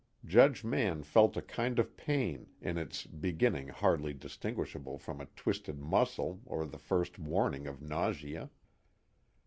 Judge Mann felt a kind of pain, in its beginning hardly distinguishable from a twisted muscle or the first warning of nausea.